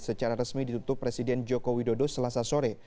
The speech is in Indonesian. secara resmi ditutup presiden joko widodo selasa sore